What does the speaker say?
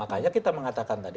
makanya kita mengatakan tadi